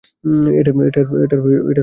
এটার আমার দরকার নেই।